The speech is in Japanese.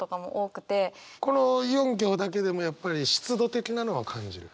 この４行だけでもやっぱり湿度的なのは感じる？